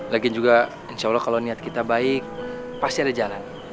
lagi juga insya allah kalau niat kita baik pasti ada jalan